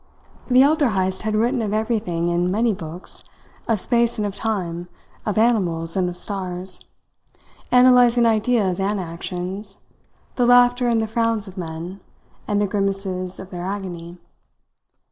The elder Heyst had written of everything in many books of space and of time, of animals and of stars; analysing ideas and actions, the laughter and the frowns of men, and the grimaces of their agony.